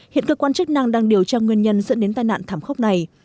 hiện cơ quan chức năng đang điều tra nguyên nhân dẫn đến tai nạn thảm khốc này